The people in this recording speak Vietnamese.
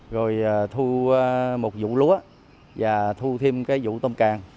rồi thu một vụ lúa và thu thêm cái vụ tôm càng